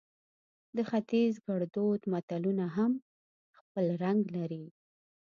د ختیز ګړدود متلونه هم خپل رنګ لري